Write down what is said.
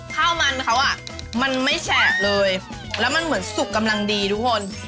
ข้าวมันเขาอ่ะมันไม่แฉบเลยแล้วมันเหมือนสุกกำลังดีทุกคน